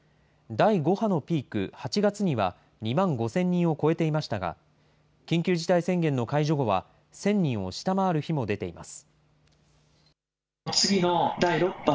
第５波のピーク、８月には２万５０００人を超えていましたが、緊急事態宣言の解除後は１０００人を下回る日も出ています。